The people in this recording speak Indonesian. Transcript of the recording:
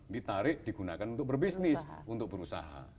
ditarik digunakan untuk berbisnis untuk berusaha